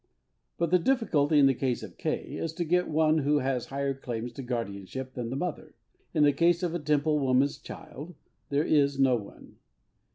But the difficulty in the case of K. is to get one who has higher claims to guardianship than the mother. In the case of a Temple woman's child there is no one.